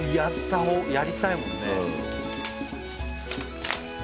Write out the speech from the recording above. やりたいもんね。